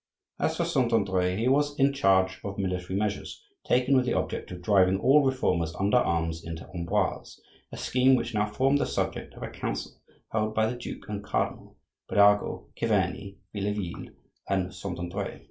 As for Saint Andre, he was in charge of military measures taken with the object of driving all Reformers under arms into Amboise; a scheme which now formed the subject of a council held by the duke and cardinal, Birago, Chiverni, Vieilleville, and Saint Andre.